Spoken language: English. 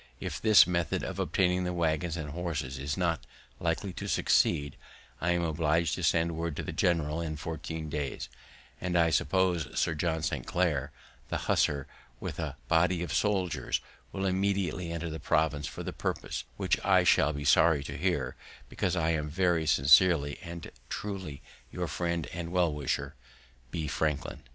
If this method of obtaining the waggons and horses is not likely to succeed, I am obliged to send word to the general in fourteen days; and I suppose Sir John St. Clair, the hussar, with a body of soldiers, will immediately enter the province for the purpose, which I shall be sorry to hear, because I am very sincerely and truly your friend and well wisher, "B. Franklin."